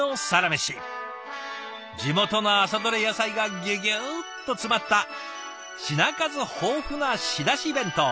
地元の朝どれ野菜がギュギュッと詰まった品数豊富な仕出し弁当。